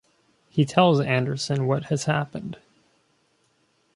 He tells Andreson what has happened.